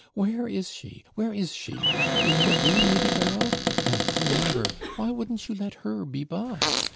Where is she? where is she? In your room, Lady Berryl? Oh, Colambre! why wouldn't you let her be by?